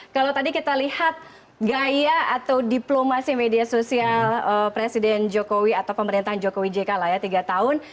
kalau tadi kita lihat gaya atau diplomasi media sosial presiden jokowi atau pemerintahan jokowi jk lah ya tiga tahun